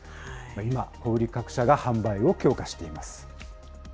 今、小売り各社が販売を強化しています。